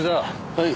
はい。